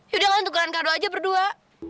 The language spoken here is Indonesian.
yaudah lah tukeran kado aja berdua